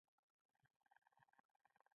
هر قوم او هر هېواد خپل خپل رواجونه لري.